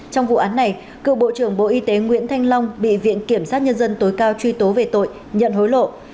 trong vụ án này cựu bộ trưởng bộ y tế nguyễn thanh long bị viện kiểm sát nhân dân tối cao truy tố về tội nhận hối lộ